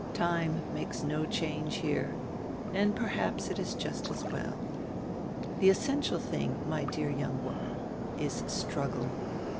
Time makes no change here, and perhaps it is just as well. The essential tiling, my dear young woman, is struggle.